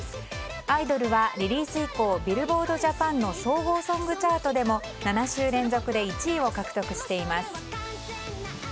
「アイドル」はリリース以降ビルボードジャパンの総合ソング・チャートでも７週連続で１位を獲得しています。